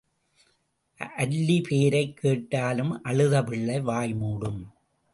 அல்லி பேரைக் கேட்டாலும் அழுத பிள்ளை வாய் மூடும்.